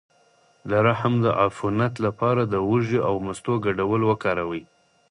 د رحم د عفونت لپاره د هوږې او مستو ګډول وکاروئ